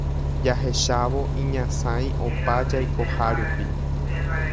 Jahechávo iñasãi opa jaikoha rupi